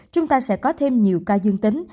chúng ta sẽ có thêm nhiều ca dương tính